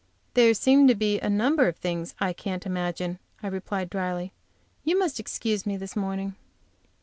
"There seem to be a number of things I can't imagine," I replied, dryly. "You must excuse me this morning."